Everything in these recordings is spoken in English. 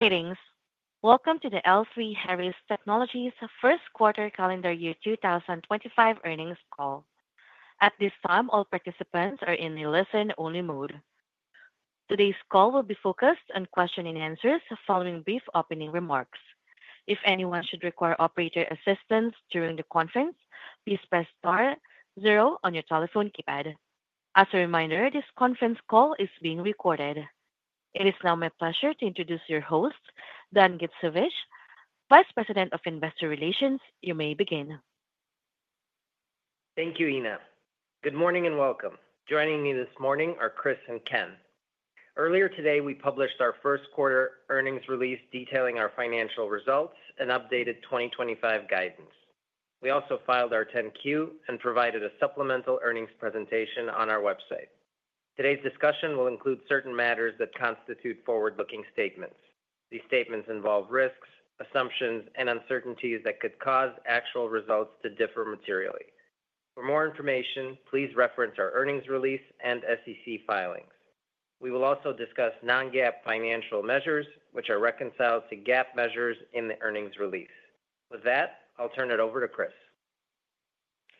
Greetings. Welcome to the L3Harris Technologies Q1 Calendar Year 2025 earnings call. At this time, all participants are in a listen-only mode. Today's call will be focused on questions and answers following brief opening remarks. If anyone should require operator assistance during the conference, please press star zero on your telephone keypad. As a reminder, this conference call is being recorded. It is now my pleasure to introduce your host, Dan Gittsovich, Vice President of Investor Relations. You may begin. Thank you, Ina. Good morning and welcome. Joining me this morning are Chris and Ken. Earlier today, we published our Q1 earnings release detailing our financial results and updated 2025 guidance. We also filed our 10-Q and provided a supplemental earnings presentation on our website. Today's discussion will include certain matters that constitute forward-looking statements. These statements involve risks, assumptions, and uncertainties that could cause actual results to differ materially. For more information, please reference our earnings release and SEC filings. We will also discuss non-GAAP financial measures, which are reconciled to GAAP measures in the earnings release. With that, I'll turn it over to Chris.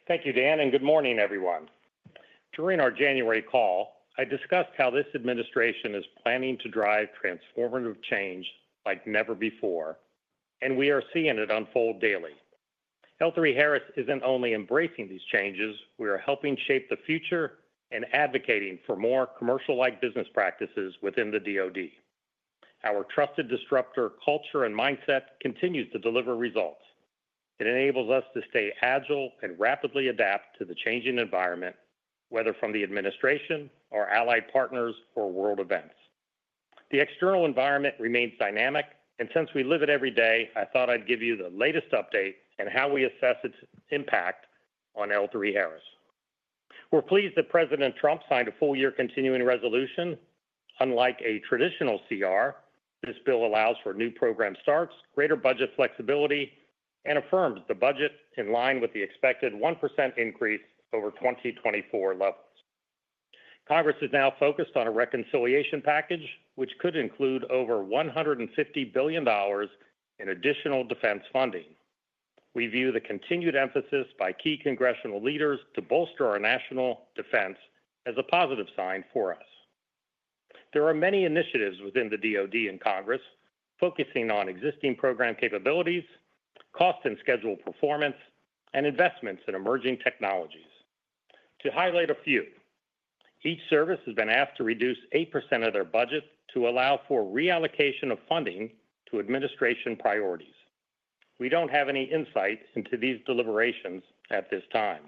Thank you, Dan, and good morning, everyone. During our January call, I discussed how this administration is planning to drive transformative change like never before, and we are seeing it unfold daily. L3Harris isn't only embracing these changes; we are helping shape the future and advocating for more commercial-like business practices within the DoD. Our trusted disruptor culture and mindset continues to deliver results. It enables us to stay agile and rapidly adapt to the changing environment, whether from the administration, our allied partners, or world events. The external environment remains dynamic, and since we live it every day, I thought I'd give you the latest update and how we assess its impact on L3Harris. We're pleased that President Trump signed a full-year continuing resolution. Unlike a traditional CR, this bill allows for new program starts, greater budget flexibility, and affirms the budget in line with the expected 1% increase over 2024 levels. Congress is now focused on a reconciliation package, which could include over $150 billion in additional defense funding. We view the continued emphasis by key congressional leaders to bolster our national defense as a positive sign for us. There are many initiatives within the DoD and Congress focusing on existing program capabilities, cost and schedule performance, and investments in emerging technologies. To highlight a few, each service has been asked to reduce 8% of their budget to allow for reallocation of funding to administration priorities. We do not have any insight into these deliberations at this time.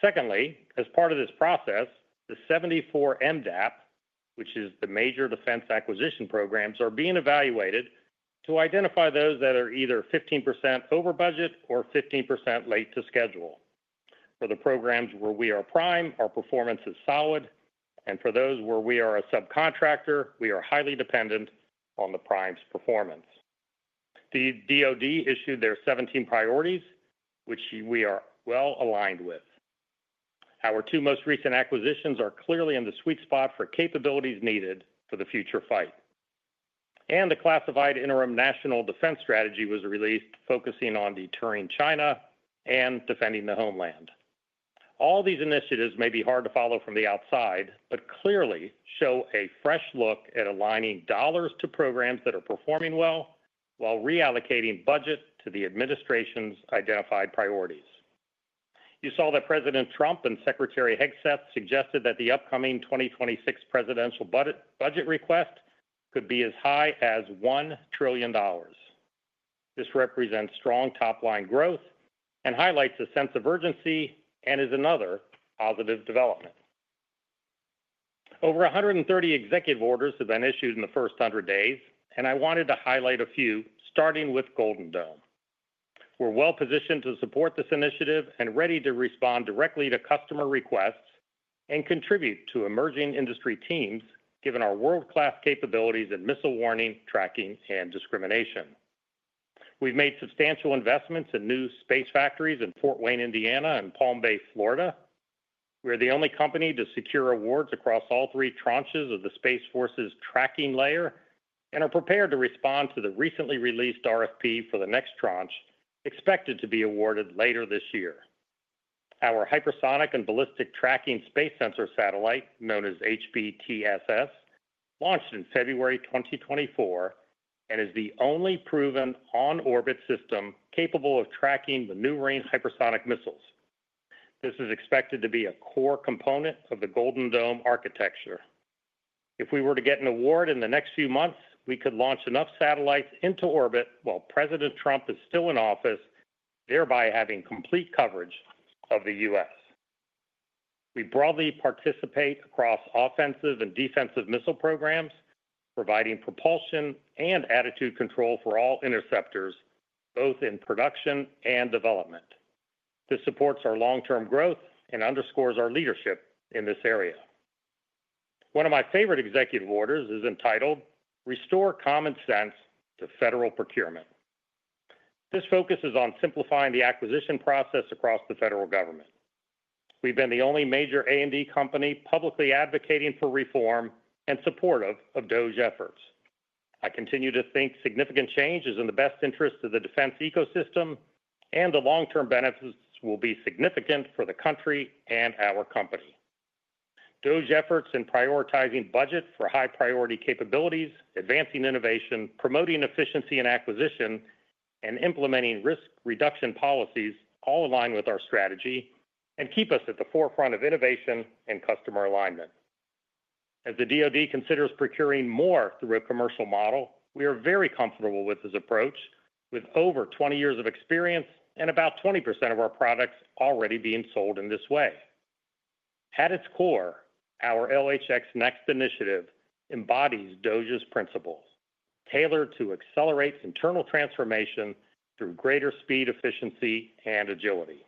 Secondly, as part of this process, the 74 MDAP, which is the major defense acquisition programs, are being evaluated to identify those that are either 15% over budget or 15% late to schedule. For the programs where we are prime, our performance is solid, and for those where we are a subcontractor, we are highly dependent on the prime's performance. The DOD issued their 17 priorities, which we are well aligned with. Our two most recent acquisitions are clearly in the sweet spot for capabilities needed for the future fight. The classified interim national defense strategy was released, focusing on deterring China and defending the homeland. All these initiatives may be hard to follow from the outside, but clearly show a fresh look at aligning dollars to programs that are performing well while reallocating budget to the administration's identified priorities. You saw that President Trump and Secretary Hegseth suggested that the upcoming 2026 presidential budget request could be as high as $1 trillion. This represents strong top-line growth and highlights a sense of urgency and is another positive development. Over 130 executive orders have been issued in the first 100 days, and I wanted to highlight a few, starting with Golden Dome. We're well positioned to support this initiative and ready to respond directly to customer requests and contribute to emerging industry teams, given our world-class capabilities in missile warning, tracking, and discrimination. We've made substantial investments in new space factories in Fort Wayne, Indiana, and Palm Bay, Florida. We are the only company to secure awards across all three tranches of the Space Force's tracking layer and are prepared to respond to the recently released RFP for the next tranche, expected to be awarded later this year. Our hypersonic and ballistic tracking space sensor satellite, known as HBTSS, launched in February 2024 and is the only proven on-orbit system capable of tracking the new range hypersonic missiles. This is expected to be a core component of the Golden Dome architecture. If we were to get an award in the next few months, we could launch enough satellites into orbit while President Trump is still in office, thereby having complete coverage of the US. We broadly participate across offensive and defensive missile programs, providing propulsion and attitude control for all interceptors, both in production and development. This supports our long-term growth and underscores our leadership in this area. One of my favorite executive orders is entitled, "Restore Common Sense to Federal Procurement." This focuses on simplifying the acquisition process across the federal government. We've been the only major A&D company publicly advocating for reform and supportive of DOGE efforts. I continue to think significant change is in the best interest of the defense ecosystem, and the long-term benefits will be significant for the country and our company. DOGE efforts in prioritizing budget for high-priority capabilities, advancing innovation, promoting efficiency in acquisition, and implementing risk reduction policies all align with our strategy and keep us at the forefront of innovation and customer alignment. As the DoD considers procuring more through a commercial model, we are very comfortable with this approach, with over 20 years of experience and about 20% of our products already being sold in this way. At its core, our LHX Next initiative embodies DOGE's principles, tailored to accelerate internal transformation through greater speed, efficiency, and agility.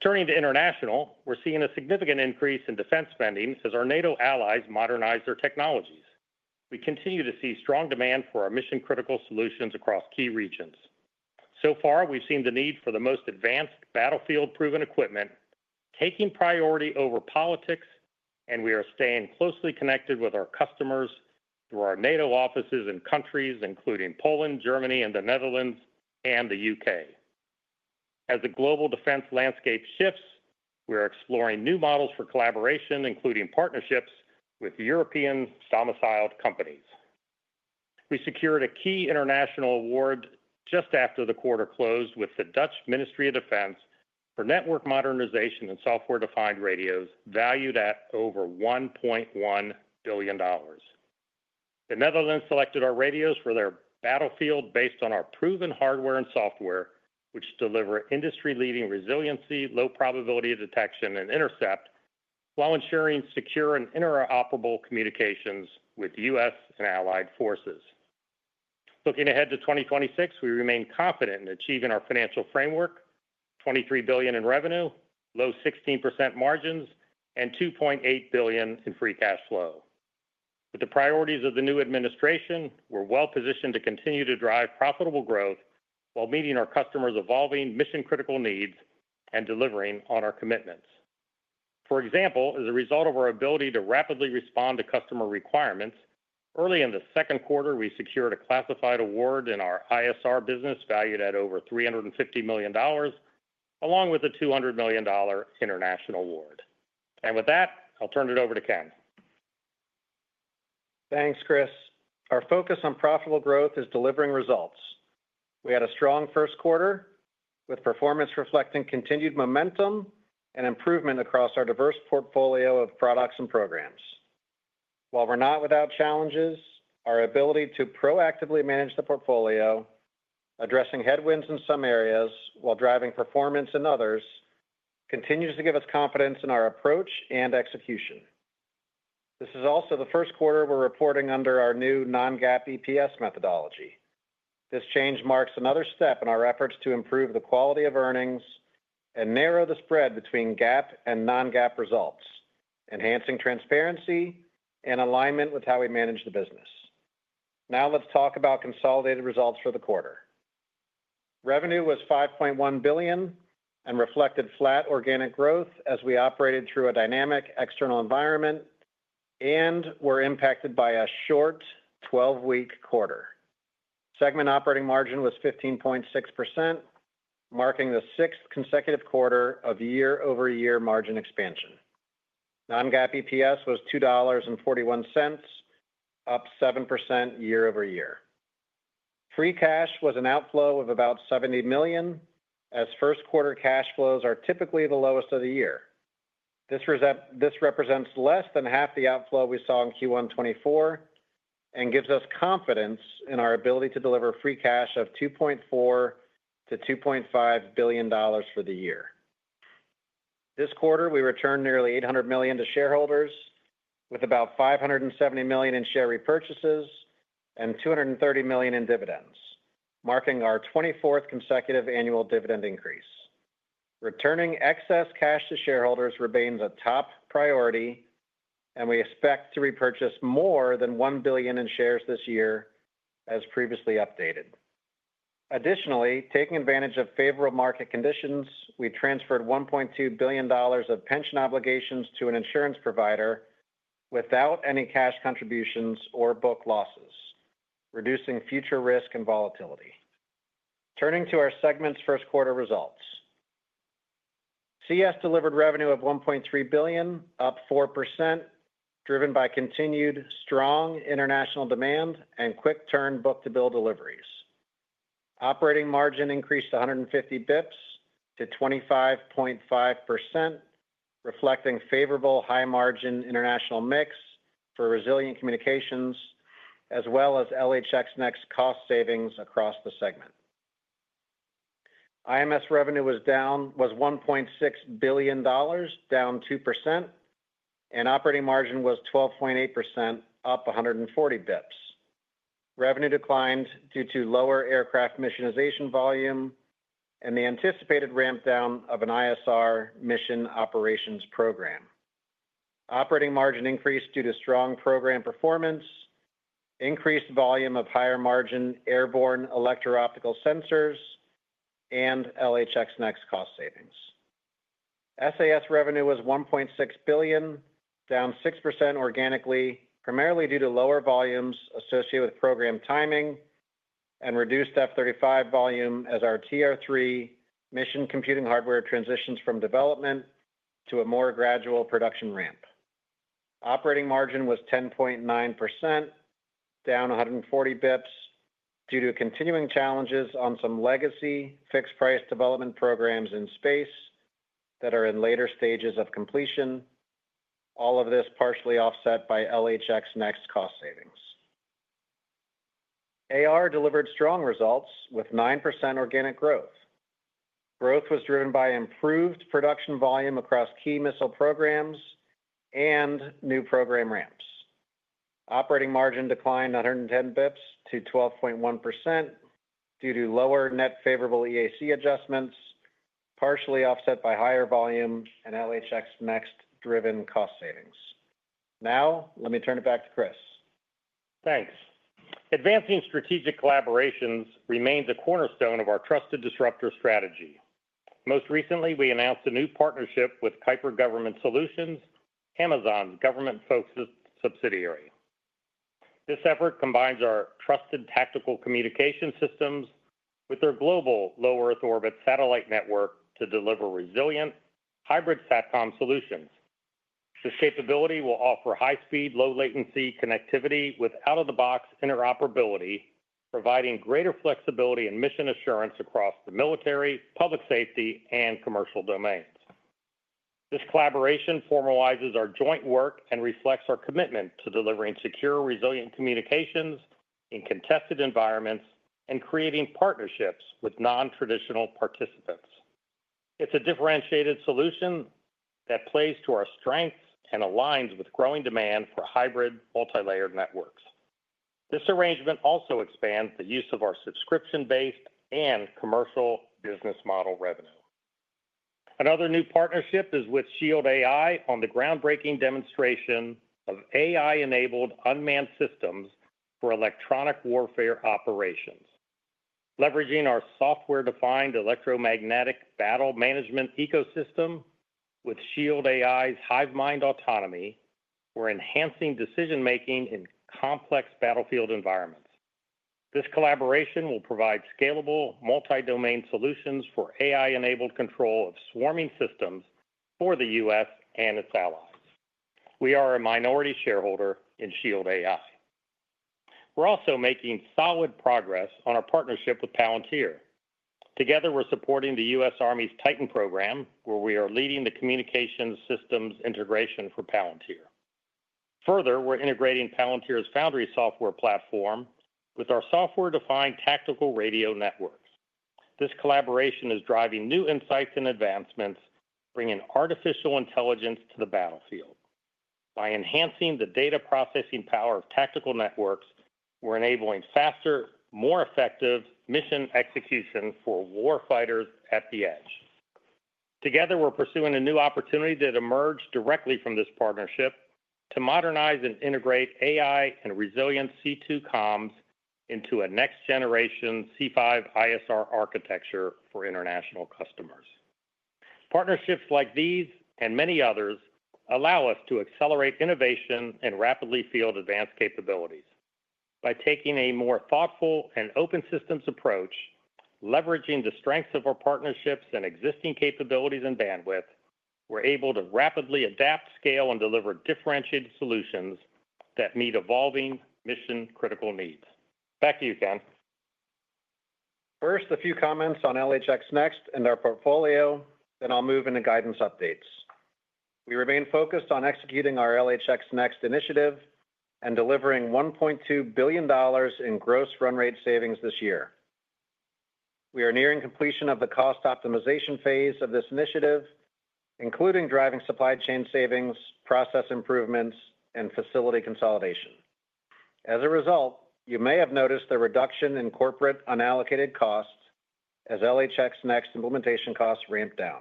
Turning to international, we're seeing a significant increase in defense spending as our NATO allies modernize their technologies. We continue to see strong demand for our mission-critical solutions across key regions. So far, we've seen the need for the most advanced battlefield-proven equipment, taking priority over politics, and we are staying closely connected with our customers through our NATO offices in countries including Poland, Germany, the Netherlands, and the UK. As the global defense landscape shifts, we are exploring new models for collaboration, including partnerships with European domiciled companies. We secured a key international award just after the quarter closed with the Dutch Ministry of Defense for network modernization and software-defined radios, valued at over $1.1 billion. The Netherlands selected our radios for their battlefield based on our proven hardware and software, which deliver industry-leading resiliency, low probability of detection, and intercept, while ensuring secure and interoperable communications with U.S. and allied forces. Looking ahead to 2026, we remain confident in achieving our financial framework: $23 billion in revenue, low 16% margins, and $2.8 billion in free cash flow. With the priorities of the new administration, we're well positioned to continue to drive profitable growth while meeting our customers' evolving mission-critical needs and delivering on our commitments. For example, as a result of our ability to rapidly respond to customer requirements, early in the Q2, we secured a classified award in our ISR business, valued at over $350 million, along with a $200 million international award. With that, I'll turn it over to Ken. Thanks, Chris. Our focus on profitable growth is delivering results. We had a strong Q1, with performance reflecting continued momentum and improvement across our diverse portfolio of products and programs. While we're not without challenges, our ability to proactively manage the portfolio, addressing headwinds in some areas while driving performance in others, continues to give us confidence in our approach and execution. This is also the Q1 we're reporting under our new non-GAAP EPS methodology. This change marks another step in our efforts to improve the quality of earnings and narrow the spread between GAAP and non-GAAP results, enhancing transparency and alignment with how we manage the business. Now let's talk about consolidated results for the quarter. Revenue was $5.1 billion and reflected flat organic growth as we operated through a dynamic external environment and were impacted by a short 12-week quarter. Segment operating margin was 15.6%, marking the sixth consecutive quarter of year-over-year margin expansion. Non-GAAP EPS was $2.41, up 7% year-over-year. Free cash was an outflow of about $70 million, as Q1 cash flows are typically the lowest of the year. This represents less than half the outflow we saw in Q1 2024 and gives us confidence in our ability to deliver free cash of $2.4- 2.5 billion for the year. This quarter, we returned nearly $800 million to shareholders, with about $570 million in share repurchases and $230 million in dividends, marking our 24th consecutive annual dividend increase. Returning excess cash to shareholders remains a top priority, and we expect to repurchase more than $1 billion in shares this year, as previously updated. Additionally, taking advantage of favorable market conditions, we transferred $1.2 billion of pension obligations to an insurance provider without any cash contributions or book losses, reducing future risk and volatility. Turning to our segment's Q1 results, CS delivered revenue of $1.3 billion, up 4%, driven by continued strong international demand and quick-turn book-to-bill deliveries. Operating margin increased 150 basis points to 25.5%, reflecting favorable high-margin international mix for resilient communications, as well as LHX Next's cost savings across the segment. IMS revenue was $1.6 billion, down 2%, and operating margin was 12.8%, up 140 basis points. Revenue declined due to lower aircraft missionization volume and the anticipated ramp-down of an ISR mission operations program. Operating margin increased due to strong program performance, increased volume of higher-margin airborne electro-optical sensors, and LHX Next cost savings. SAS revenue was $1.6 billion, down 6% organically, primarily due to lower volumes associated with program timing and reduced F-35 volume as our TR-3 mission computing hardware transitions from development to a more gradual production ramp. Operating margin was 10.9%, down 140 basis points due to continuing challenges on some legacy fixed-price development programs in space that are in later stages of completion, all of this partially offset by LHX Next cost savings. AR delivered strong results with 9% organic growth. Growth was driven by improved production volume across key missile programs and new program ramps. Operating margin declined 110 basis points to 12.1% due to lower net favorable EAC adjustments, partially offset by higher volume and LHX Next-driven cost savings. Now, let me turn it back to Chris. Thanks. Advancing strategic collaborations remains a cornerstone of our trusted disruptor strategy. Most recently, we announced a new partnership with Kuiper Government Solutions, Amazon's government-focused subsidiary. This effort combines our trusted tactical communication systems with their global low-Earth orbit satellite network to deliver resilient hybrid SATCOM solutions. This capability will offer high-speed, low-latency connectivity with out-of-the-box interoperability, providing greater flexibility and mission assurance across the military, public safety, and commercial domains. This collaboration formalizes our joint work and reflects our commitment to delivering secure, resilient communications in contested environments and creating partnerships with non-traditional participants. It's a differentiated solution that plays to our strengths and aligns with growing demand for hybrid multilayered networks. This arrangement also expands the use of our subscription-based and commercial business model revenue. Another new partnership is with Shield AI on the groundbreaking demonstration of AI-enabled unmanned systems for electronic warfare operations. Leveraging our software-defined electromagnetic battle management ecosystem with Shield AI's Hivemind autonomy, we're enhancing decision-making in complex battlefield environments. This collaboration will provide scalable multi-domain solutions for AI-enabled control of swarming systems for the US. and its allies. We are a minority shareholder in Shield AI. We're also making solid progress on our partnership with Palantir. Together, we're supporting the US. Army's TITAN program, where we are leading the communications systems integration for Palantir. Further, we're integrating Palantir's Foundry software platform with our software-defined tactical radio networks. This collaboration is driving new insights and advancements, bringing artificial intelligence to the battlefield. By enhancing the data processing power of tactical networks, we're enabling faster, more effective mission execution for war fighters at the edge. Together, we're pursuing a new opportunity that emerged directly from this partnership to modernize and integrate AI and resilient C2 comms into a next-generation C5ISR architecture for international customers. Partnerships like these and many others allow us to accelerate innovation and rapidly field advanced capabilities. By taking a more thoughtful and open systems approach, leveraging the strengths of our partnerships and existing capabilities and bandwidth, we're able to rapidly adapt, scale, and deliver differentiated solutions that meet evolving mission-critical needs. Back to you, Ken. First, a few comments on LHX Next and our portfolio, then I'll move into guidance updates. We remain focused on executing our LHX Next initiative and delivering $1.2 billion in gross run rate savings this year. We are nearing completion of the cost optimization phase of this initiative, including driving supply chain savings, process improvements, and facility consolidation. As a result, you may have noticed the reduction in corporate unallocated costs as LHX Next implementation costs ramped down.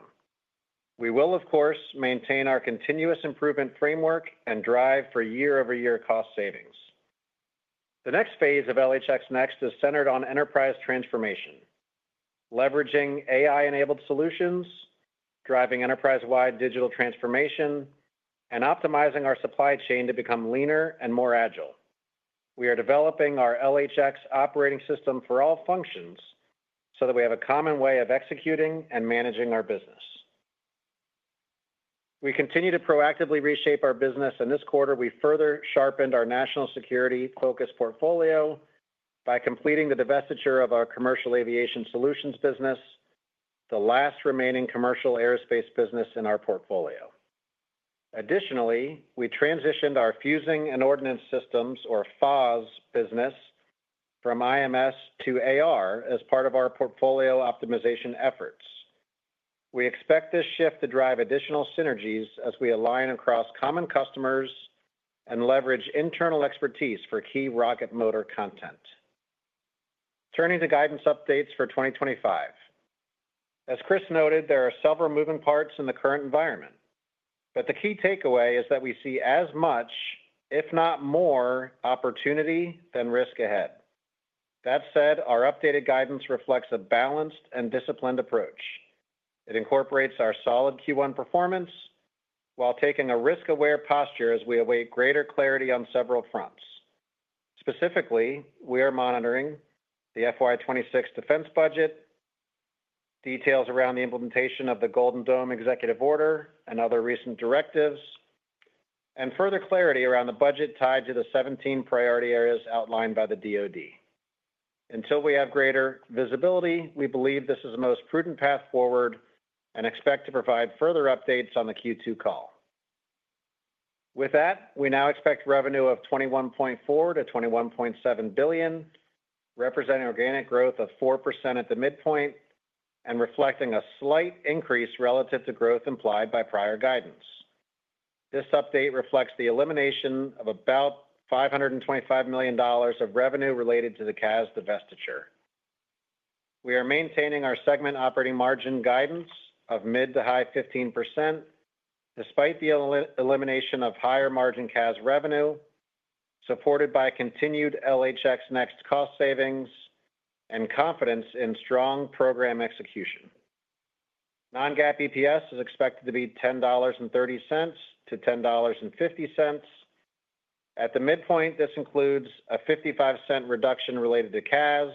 We will, of course, maintain our continuous improvement framework and drive for year-over-year cost savings. The next phase of LHX Next is centered on enterprise transformation, leveraging AI-enabled solutions, driving enterprise-wide digital transformation, and optimizing our supply chain to become leaner and more agile. We are developing our LHX operating system for all functions so that we have a common way of executing and managing our business. We continue to proactively reshape our business, and this quarter, we further sharpened our national security-focused portfolio by completing the divestiture of our commercial aviation solutions business, the last remaining commercial aerospace business in our portfolio. Additionally, we transitioned our fuzing and ordnance systems, or FOSS, business from IMS to AR as part of our portfolio optimization efforts. We expect this shift to drive additional synergies as we align across common customers and leverage internal expertise for key rocket motor content. Turning to guidance updates for 2025. As Chris noted, there are several moving parts in the current environment, but the key takeaway is that we see as much, if not more, opportunity than risk ahead. That said, our updated guidance reflects a balanced and disciplined approach. It incorporates our solid Q1 performance while taking a risk aware posture as we await greater clarity on several fronts. Specifically, we are monitoring the FY2026 defense budget, details around the implementation of the Golden Dome executive order and other recent directives, and further clarity around the budget tied to the 17 priority areas outlined by the DoD. Until we have greater visibility, we believe this is the most prudent path forward and expect to provide further updates on the Q2 call. With that, we now expect revenue of $21.4 - 21.7 billion, representing organic growth of 4% at the midpoint and reflecting a slight increase relative to growth implied by prior guidance. This update reflects the elimination of about $525 million of revenue related to the CAS divestiture. We are maintaining our segment operating margin guidance of mid to high 15%, despite the elimination of higher margin CAS revenue, supported by continued LHX Next cost savings and confidence in strong program execution. Non-GAAP EPS is expected to be $10.30-10.50. At the midpoint, this includes a $0.55 reduction related to CAS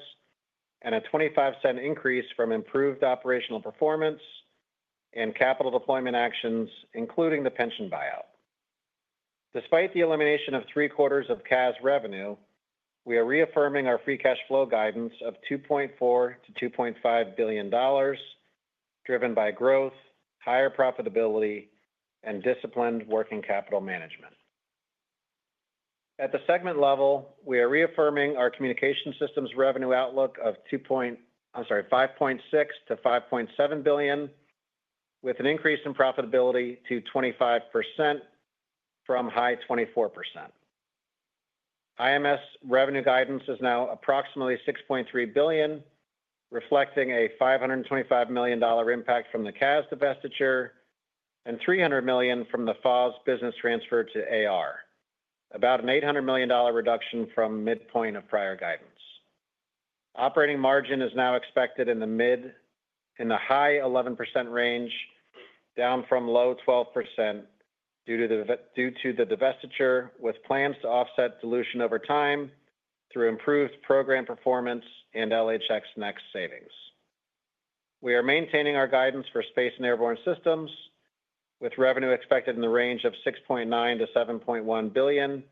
and a $0.25 increase from improved operational performance and capital deployment actions, including the pension buyout. Despite the elimination of three-quarters of CAS revenue, we are reaffirming our free cash flow guidance of $2.4 - 2.5 billion, driven by growth, higher profitability, and disciplined working capital management. At the segment level, we are reaffirming our communication systems revenue outlook of $5.6 - 5.7 billion, with an increase in profitability to 25% from high 24%. IMS revenue guidance is now approximately $6.3 billion, reflecting a $525 million impact from the CAS divestiture and $300 million from the FOSS business transfer to AR, about an $800 million reduction from midpoint of prior guidance. Operating margin is now expected in the mid to high 11% range, down from low 12% due to the divestiture, with plans to offset dilution over time through improved program performance and LHX Next savings. We are maintaining our guidance for space and airborne systems, with revenue expected in the range of $6.9 - 7.1 billion,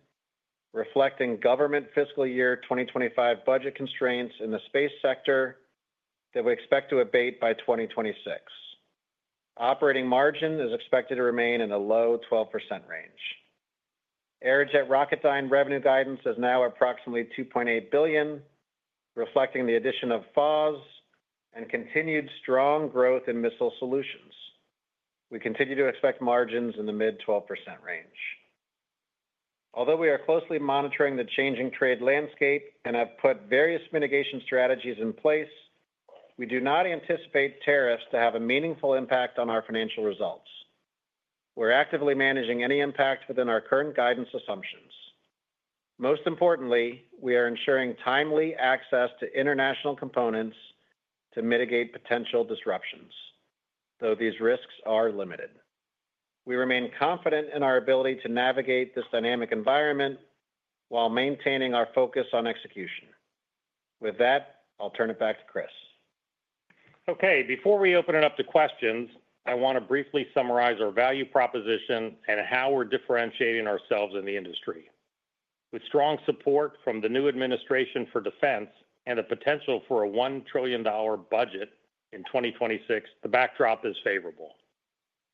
reflecting government fiscal year 2025 budget constraints in the space sector that we expect to abate by 2026. Operating margin is expected to remain in the low 12% range. Aerojet Rocketdyne revenue guidance is now approximately $2.8 billion, reflecting the addition of FOSS and continued strong growth in missile solutions. We continue to expect margins in the mid-12% range. Although we are closely monitoring the changing trade landscape and have put various mitigation strategies in place, we do not anticipate tariffs to have a meaningful impact on our financial results. We're actively managing any impact within our current guidance assumptions. Most importantly, we are ensuring timely access to international components to mitigate potential disruptions, though these risks are limited. We remain confident in our ability to navigate this dynamic environment while maintaining our focus on execution. With that, I'll turn it back to Chris. Okay. Before we open it up to questions, I want to briefly summarize our value proposition and how we're differentiating ourselves in the industry. With strong support from the new administration for defense and the potential for a $1 trillion budget in 2026, the backdrop is favorable.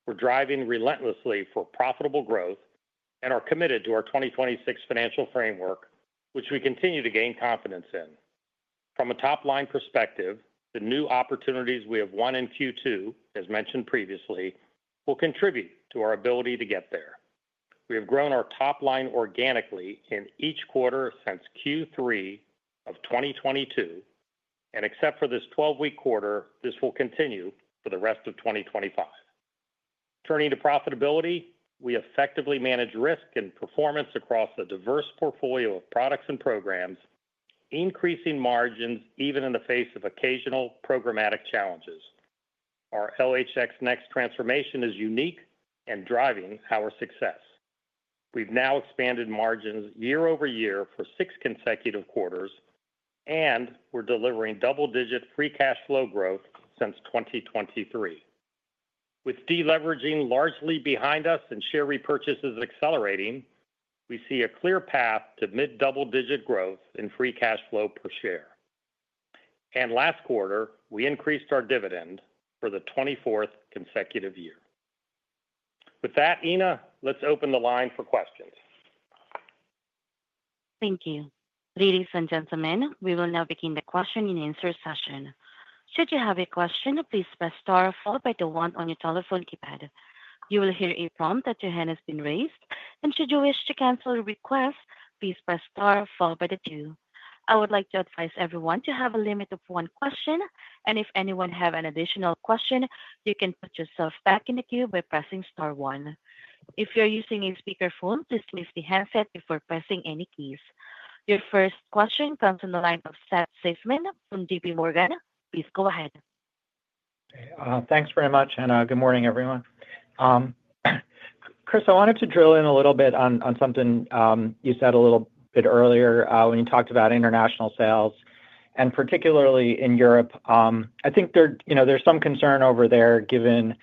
We're driving relentlessly for profitable growth and are committed to our 2026 financial framework, which we continue to gain confidence in. From a top-line perspective, the new opportunities we have won in Q2, as mentioned previously, will contribute to our ability to get there. We have grown our top-line organically in each quarter since Q3 of 2022, and except for this 12-week quarter, this will continue for the rest of 2025. Turning to profitability, we effectively manage risk and performance across a diverse portfolio of products and programs, increasing margins even in the face of occasional programmatic challenges. Our LHX Next transformation is unique and driving our success. We've now expanded margins year over year for six consecutive quarters, and we're delivering double-digit free cash flow growth since 2023. With deleveraging largely behind us and share repurchases accelerating, we see a clear path to mid-double-digit growth in free cash flow per share. Last quarter, we increased our dividend for the 24th consecutive year. With that, Ina, let's open the line for questions. Thank you. Ladies and gentlemen, we will now begin the question-and-answer session. Should you have a question, please press star followed by the one on your telephone keypad. You will hear a prompt that your hand has been raised. Should you wish to cancel a request, please press star followed by the two. I would like to advise everyone to have a limit of one question. If anyone has an additional question, you can put yourself back in the queue by pressing star one. If you're using a speakerphone, please place the handset before pressing any keys. Your first question comes from the line of Seth Si from JPMorgan. Please go ahead. Thanks very much, and good morning, everyone. Chris, I wanted to drill in a little bit on something you said a little bit earlier when you talked about international sales, and particularly in Europe. I think there's some concern over there given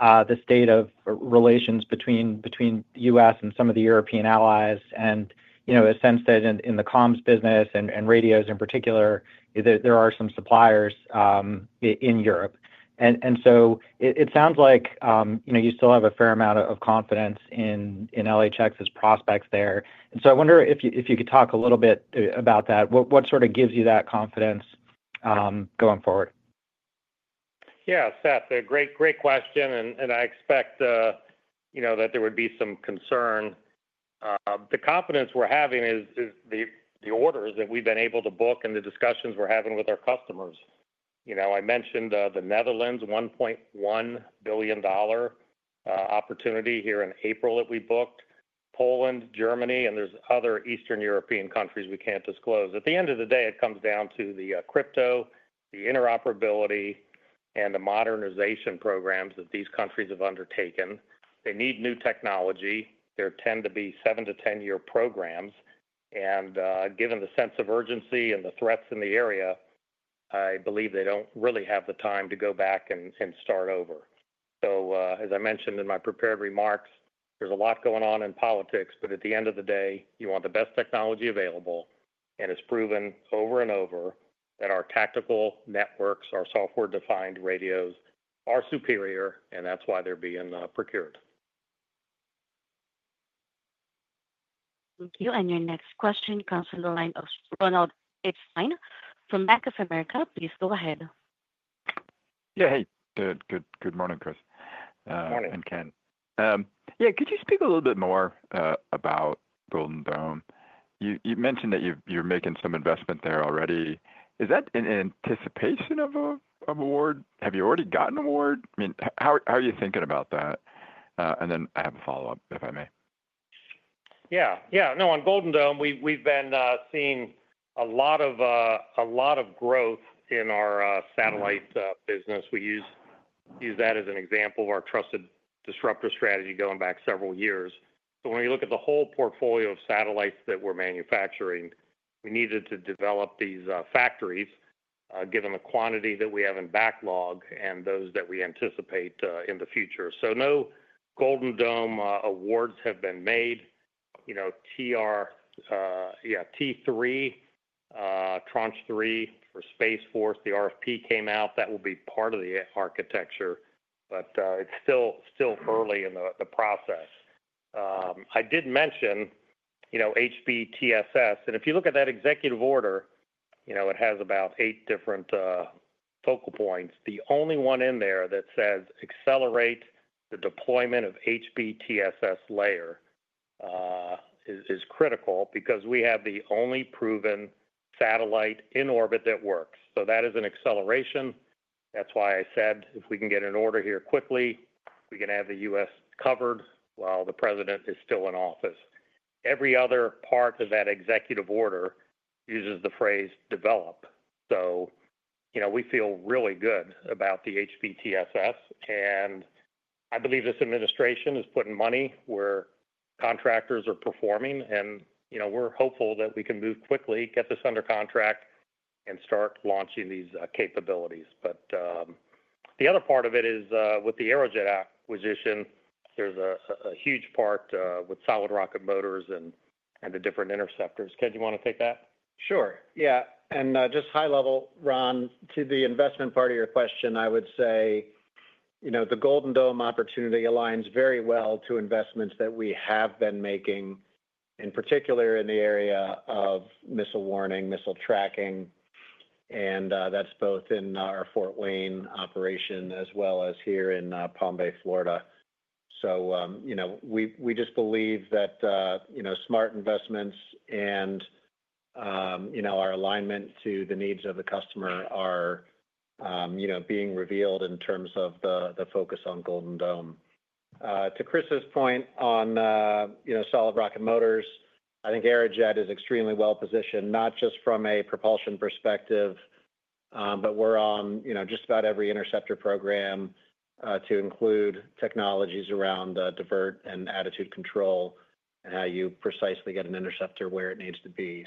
the state of relations between the US. and some of the European allies, and a sense that in the comms business and radios in particular, there are some suppliers in Europe. It sounds like you still have a fair amount of confidence in LHX's prospects there. I wonder if you could talk a little bit about that. What sort of gives you that confidence going forward? Yeah, Seth, a great question, and I expect that there would be some concern. The confidence we're having is the orders that we've been able to book and the discussions we're having with our customers. I mentioned the Netherlands, $1.1 billion opportunity here in April that we booked, Poland, Germany, and there's other Eastern European countries we can't disclose. At the end of the day, it comes down to the crypto, the interoperability, and the modernization programs that these countries have undertaken. They need new technology. There tend to be 7-10 year programs. Given the sense of urgency and the threats in the area, I believe they don't really have the time to go back and start over. As I mentioned in my prepared remarks, there's a lot going on in politics, but at the end of the day, you want the best technology available. It is proven over and over that our tactical networks, our software-defined radios, are superior, and that is why they are being procured. Thank you. Your next question comes from the line of Ronald Epstein from Bank of America. Please go ahead. Yeah, hey. Good morning, Chris. Morning. Ken, could you speak a little bit more about Golden Dome? You mentioned that you're making some investment there already. Is that in anticipation of an award? Have you already gotten an award? I mean, how are you thinking about that? I have a follow-up, if I may. Yeah. Yeah. No, on Golden Dome, we've been seeing a lot of growth in our satellite business. We use that as an example of our trusted disruptor strategy going back several years. When we look at the whole portfolio of satellites that we're manufacturing, we needed to develop these factories given the quantity that we have in backlog and those that we anticipate in the future. No Golden Dome awards have been made. TR, yeah, T3, Tranche 3 for Space Force, the RFP came out. That will be part of the architecture, but it's still early in the process. I did mention HBTSS. If you look at that executive order, it has about eight different focal points. The only one in there that says accelerate the deployment of HBTSS layer is critical because we have the only proven satellite in orbit that works. That is an acceleration. That's why I said if we can get an order here quickly, we can have the US. covered while the president is still in office. Every other part of that executive order uses the phrase develop. We feel really good about the HBTSS. I believe this administration is putting money where contractors are performing. We're hopeful that we can move quickly, get this under contract, and start launching these capabilities. The other part of it is with the Aerojet acquisition, there's a huge part with solid rocket motors and the different interceptors. Ken, do you want to take that? Sure. Yeah. Just high level, Ron, to the investment part of your question, I would say the Golden Dome opportunity aligns very well to investments that we have been making, in particular in the area of missile warning, missile tracking. That is both in our Fort Wayne operation as well as here in Palm Bay, Florida. We just believe that smart investments and our alignment to the needs of the customer are being revealed in terms of the focus on Golden Dome. To Chris's point on solid rocket motors, I think Aerojet is extremely well positioned, not just from a propulsion perspective, but we are on just about every interceptor program to include technologies around divert and attitude control and how you precisely get an interceptor where it needs to be.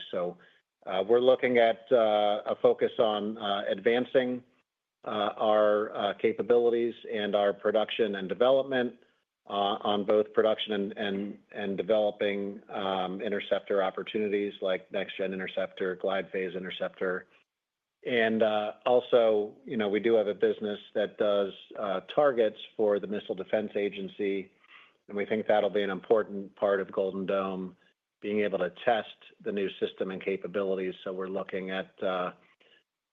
We're looking at a focus on advancing our capabilities and our production and development on both production and developing interceptor opportunities like next-gen interceptor, glide phase interceptor. We do have a business that does targets for the Missile Defense Agency. We think that'll be an important part of Golden Dome, being able to test the new system and capabilities. We're looking at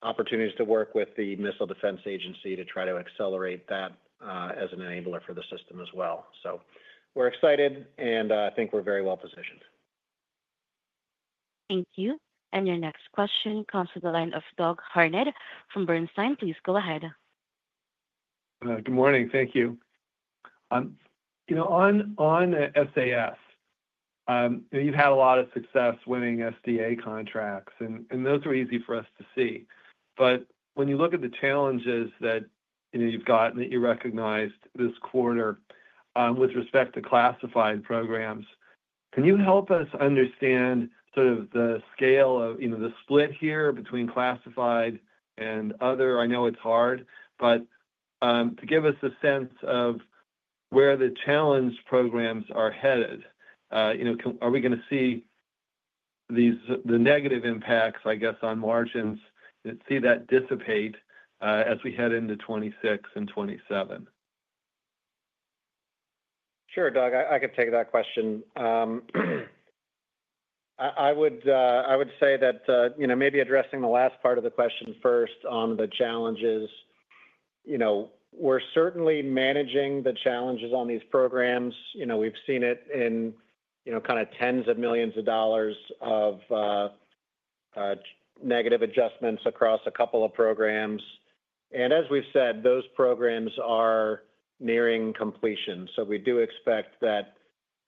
opportunities to work with the Missile Defense Agency to try to accelerate that as an enabler for the system as well. We're excited, and I think we're very well positioned. Thank you. Your next question comes from the line of Doug Harned from Bernstein. Please go ahead. Good morning. Thank you. On SAS, you've had a lot of success winning SDA contracts, and those were easy for us to see. When you look at the challenges that you've gotten that you recognized this quarter with respect to classified programs, can you help us understand sort of the scale of the split here between classified and other? I know it's hard, but to give us a sense of where the challenge programs are headed, are we going to see the negative impacts, I guess, on margins, see that dissipate as we head into 2026 and 2027? Sure, Doug. I could take that question. I would say that maybe addressing the last part of the question first on the challenges. We're certainly managing the challenges on these programs. We've seen it in kind of tens of millions of dollars of negative adjustments across a couple of programs. As we've said, those programs are nearing completion. We do expect that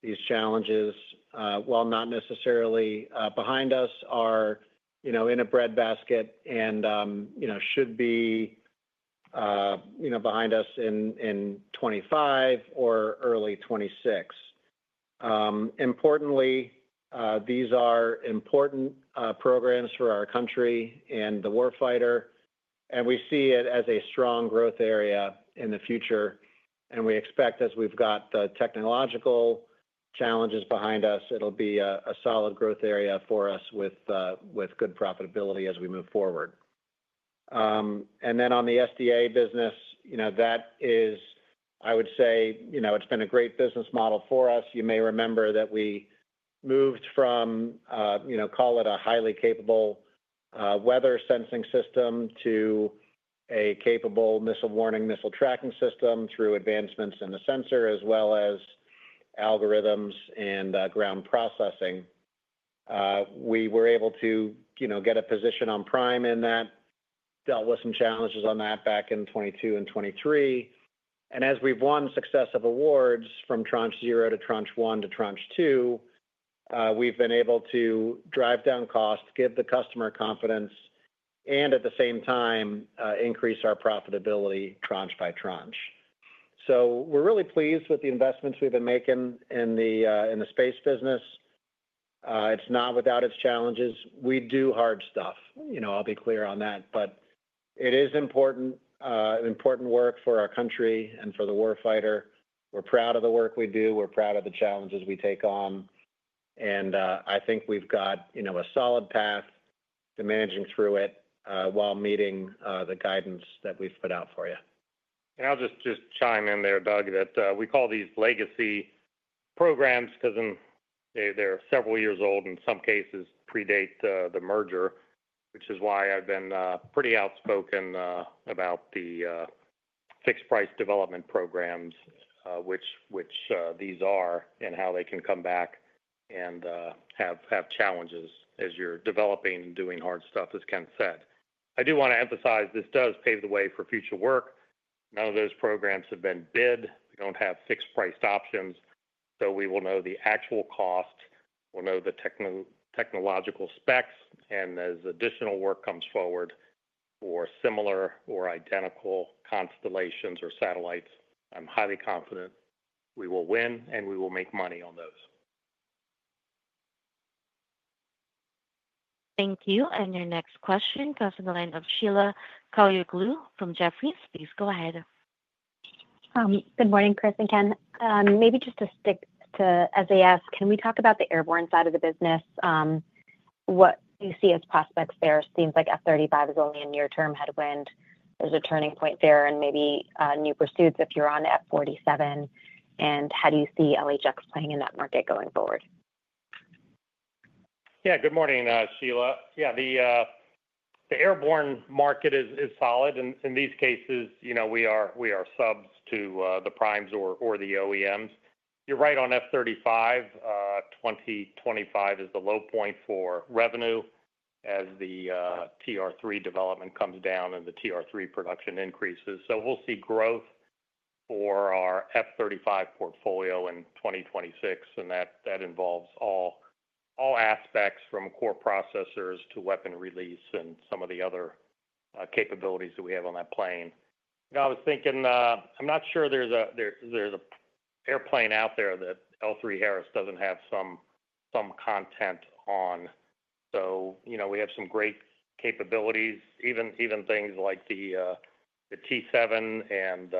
these challenges, while not necessarily behind us, are in a breadbasket and should be behind us in 2025 or early 2026. Importantly, these are important programs for our country and the war fighter. We see it as a strong growth area in the future. We expect as we've got the technological challenges behind us, it'll be a solid growth area for us with good profitability as we move forward. On the SDA business, that is, I would say, it's been a great business model for us. You may remember that we moved from, call it a highly capable weather sensing system to a capable missile warning, missile tracking system through advancements in the sensor as well as algorithms and ground processing. We were able to get a position on prime in that, dealt with some challenges on that back in 2022 and 2023. As we've won successive awards from tranche 0 to tranche 1 to tranche 2, we've been able to drive down costs, give the customer confidence, and at the same time, increase our profitability tranche by tranche. We are really pleased with the investments we've been making in the space business. It's not without its challenges. We do hard stuff. I'll be clear on that. It is important work for our country and for the war fighter. We're proud of the work we do. We're proud of the challenges we take on. I think we've got a solid path to managing through it while meeting the guidance that we've put out for you. I'll just chime in there, Doug, that we call these legacy programs because they're several years old and in some cases predate the merger, which is why I've been pretty outspoken about the fixed-price development programs, which these are and how they can come back and have challenges as you're developing and doing hard stuff, as Ken said. I do want to emphasize this does pave the way for future work. None of those programs have been bid. We don't have fixed-priced options. So we will know the actual cost. We'll know the technological specs. And as additional work comes forward for similar or identical constellations or satellites, I'm highly confident we will win and we will make money on those. Thank you. Your next question comes from the line of Sheila Kahyaoglu from Jefferies. Please go ahead. Good morning, Chris and Ken. Maybe just to stick to SAS, can we talk about the airborne side of the business? What do you see as prospects there? It seems like F-35 is only a near-term headwind. There is a turning point there and maybe new pursuits if you are on F-47. How do you see LHX playing in that market going forward? Yeah, good morning, Sheila. Yeah, the airborne market is solid. In these cases, we are subs to the primes or the OEMs. You're right on F-35. 2025 is the low point for revenue as the TR-3 development comes down and the TR-3 production increases. We'll see growth for our F-35 portfolio in 2026. That involves all aspects from core processors to weapon release and some of the other capabilities that we have on that plane. I was thinking, I'm not sure there's an airplane out there that L3Harris doesn't have some content on. We have some great capabilities, even things like the T-7 and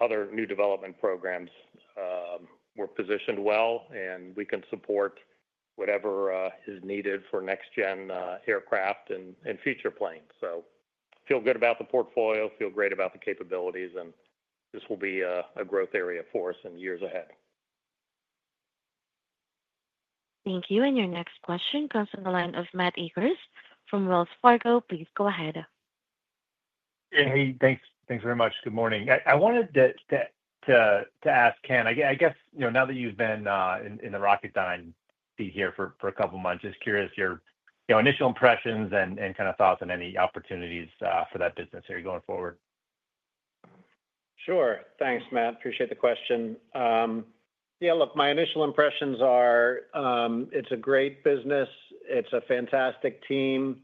other new development programs. We're positioned well, and we can support whatever is needed for next-gen aircraft and future planes. Feel good about the portfolio, feel great about the capabilities, and this will be a growth area for us in years ahead. Thank you. Your next question comes from the line of Matt Mrkobrad from Wells Fargo. Please go ahead. Yeah, hey, thanks very much. Good morning. I wanted to ask, Ken, I guess now that you've been in the Rocketdyne be here for a couple of months, just curious your initial impressions and kind of thoughts on any opportunities for that business here going forward. Sure. Thanks, Matt. Appreciate the question. Yeah, look, my initial impressions are it's a great business. It's a fantastic team.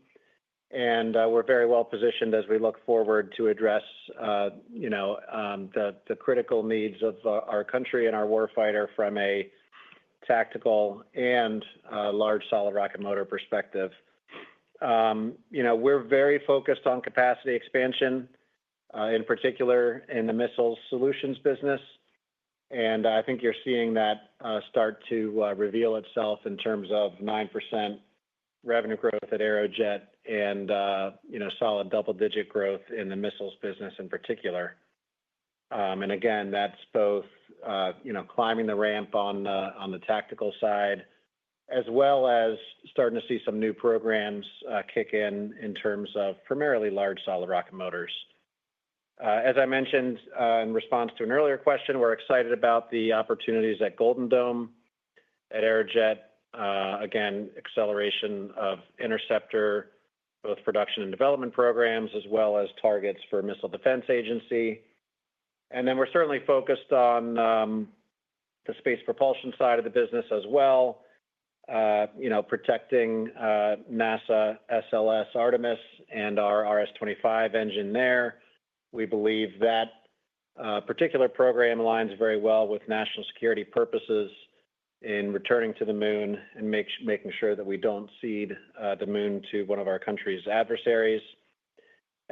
We're very well positioned as we look forward to address the critical needs of our country and our war fighter from a tactical and large solid rocket motor perspective. We're very focused on capacity expansion, in particular in the missile solutions business. I think you're seeing that start to reveal itself in terms of 9% revenue growth at Aerojet and solid double-digit growth in the missiles business in particular. That's both climbing the ramp on the tactical side as well as starting to see some new programs kick in in terms of primarily large solid rocket motors. As I mentioned in response to an earlier question, we're excited about the opportunities at Golden Dome, at Aerojet. Again, acceleration of interceptor, both production and development programs, as well as targets for Missile Defense Agency. We are certainly focused on the space propulsion side of the business as well, protecting NASA SLS Artemis and our RS-25 engine there. We believe that particular program aligns very well with national security purposes in returning to the moon and making sure that we do not cede the moon to one of our country's adversaries.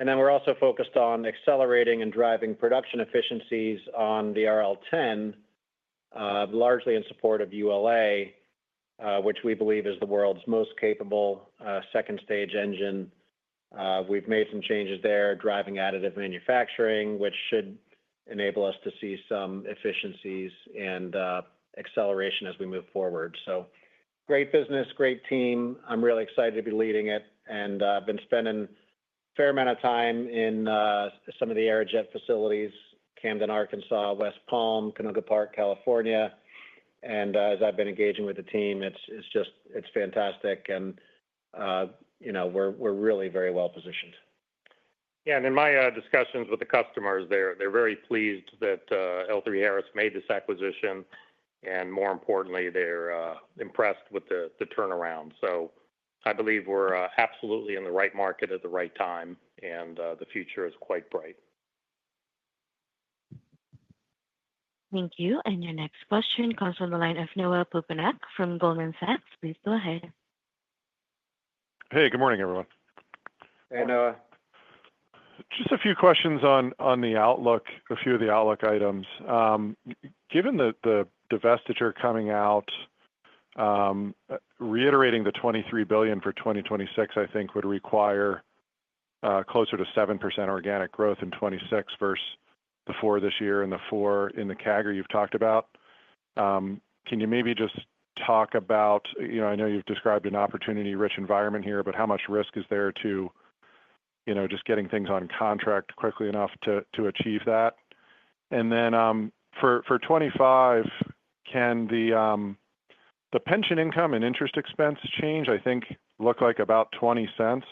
We are also focused on accelerating and driving production efficiencies on the RL-10, largely in support of ULA, which we believe is the world's most capable second-stage engine. We have made some changes there, driving additive manufacturing, which should enable us to see some efficiencies and acceleration as we move forward. Great business, great team. I am really excited to be leading it. I've been spending a fair amount of time in some of the Aerojet facilities, Camden, Arkansas, West Palm, Canoga Park, California. As I've been engaging with the team, it's fantastic. We're really very well positioned. Yeah. In my discussions with the customers, they're very pleased that L3Harris made this acquisition. More importantly, they're impressed with the turnaround. I believe we're absolutely in the right market at the right time. The future is quite bright. Thank you. Your next question comes from the line of Noah Poponak from Goldman Sachs. Please go ahead. Hey, good morning, everyone. Just a few questions on the outlook, a few of the outlook items. Given the divestiture coming out, reiterating the $23 billion for 2026, I think would require closer to 7% organic growth in 2026 versus the 4% this year and the 4% in the CAGR you've talked about. Can you maybe just talk about, I know you've described an opportunity-rich environment here, how much risk is there to just getting things on contract quickly enough to achieve that? For 2025, can the pension income and interest expense change, I think, look like about $0.20?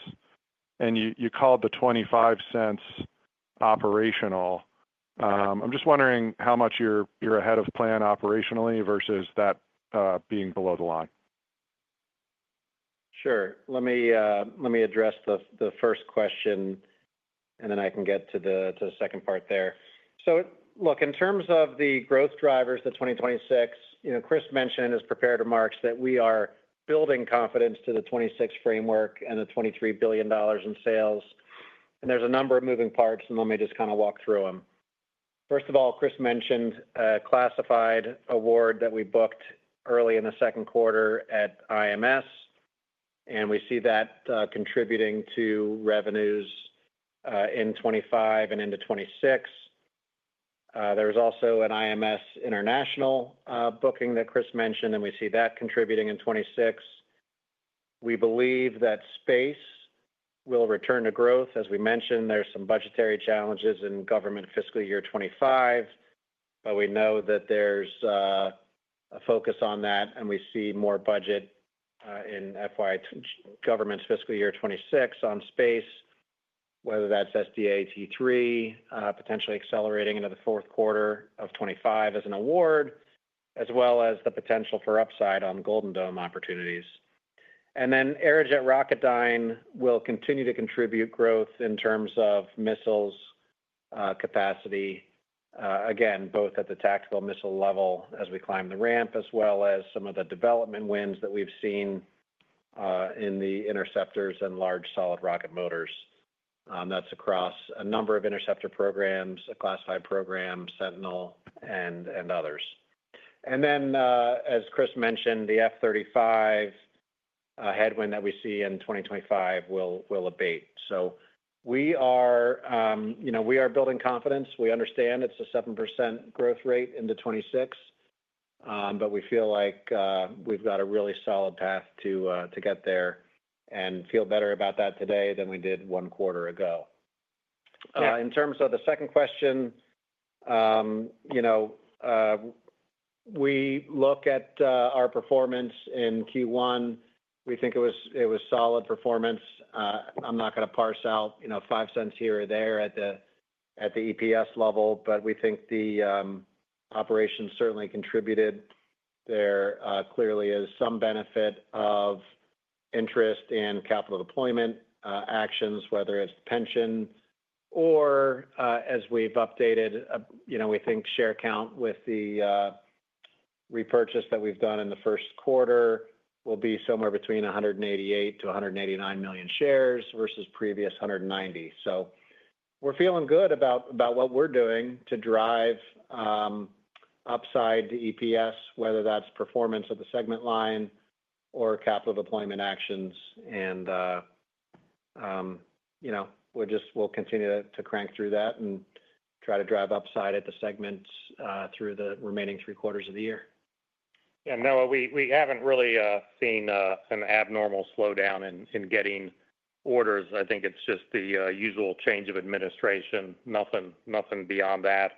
You called the $0.25 operational. I'm just wondering how much you're ahead of plan operationally versus that being below the line. Sure. Let me address the first question, and then I can get to the second part there. In terms of the growth drivers for 2026, Chris mentioned as prepared remarks that we are building confidence to the 2026 framework and the $23 billion in sales. There are a number of moving parts, and let me just kind of walk through them. First of all, Chris mentioned a classified award that we booked early in the Q2 at IMS. We see that contributing to revenues in 2025 and into 2026. There was also an IMS International booking that Chris mentioned, and we see that contributing in 2026. We believe that space will return to growth. As we mentioned, there are some budgetary challenges in government fiscal year 2025, but we know that there's a focus on that, and we see more budget in government fiscal year 2026 on space, whether that's SDA T3 potentially accelerating into the Q4 of 2025 as an award, as well as the potential for upside on Golden Dome opportunities. Aerojet Rocketdyne will continue to contribute growth in terms of missiles capacity, again, both at the tactical missile level as we climb the ramp, as well as some of the development wins that we've seen in the interceptors and large solid rocket motors. That's across a number of interceptor programs, a classified program, Sentinel, and others. As Chris mentioned, the F-35 headwind that we see in 2025 will abate. We are building confidence. We understand it's a 7% growth rate into 2026, but we feel like we've got a really solid path to get there and feel better about that today than we did one quarter ago. In terms of the second question, we look at our performance in Q1. We think it was solid performance. I'm not going to parse out 5 cents here or there at the EPS level, but we think the operations certainly contributed. There clearly is some benefit of interest and capital deployment actions, whether it's pension or, as we've updated, we think share count with the repurchase that we've done in the Q1 will be somewhere between 188-189 million shares versus previous 190. We are feeling good about what we're doing to drive upside to EPS, whether that's performance of the segment line or capital deployment actions. We will continue to crank through that and try to drive upside at the segments through the remaining Q3 of the year. Yeah. No, we haven't really seen an abnormal slowdown in getting orders. I think it's just the usual change of administration, nothing beyond that.